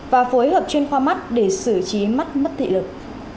và phối hợp chuyên khoa mắt để xử trí mắt mất thị lực